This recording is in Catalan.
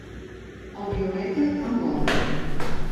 El violeta amb l'ocre.